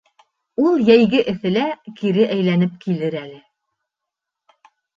— Ул йәйге эҫелә кире әйләнеп килер әле.